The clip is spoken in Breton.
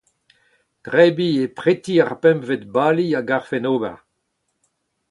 Debriñ e preti ar pempvet bali a garfen ober.